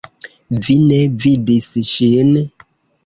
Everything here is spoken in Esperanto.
Vi ne vidis ŝin?